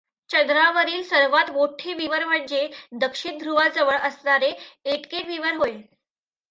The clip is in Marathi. चंद्रावरील सर्वांत मोठे विवर म्हणजे दक्षिण ध्रुवाजवळ असणारे एटकेन विवर होय.